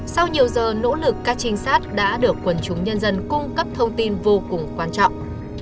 sau nhiều giờ nỗ lực các trinh sát đã được quần chúng nhân dân cung cấp thông tin vô cùng quan trọng